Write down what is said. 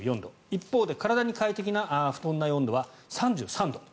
一方で体に快適な布団内温度は３３度。